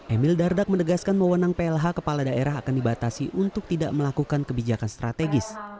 emil dardak menegaskan mewenang plh kepala daerah akan dibatasi untuk tidak melakukan kebijakan strategis